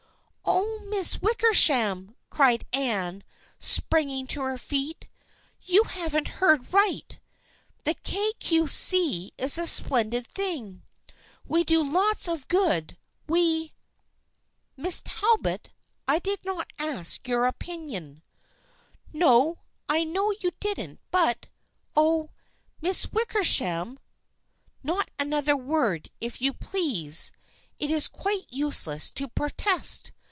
" Oh, Miss Wickersham !" cried Anne, spring ing to her feet. " You haven't heard right ! The Kay Cue See is a splendid thing. We do lots of good. We "" Miss Talbot, I did not ask you your opinion." " No, I know you didn't, but — oh, Miss Wicker sham !"" Not another word, if you please. It is quite useless to protest.